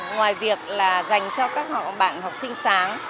ngoài việc là dành cho các bạn học sinh sáng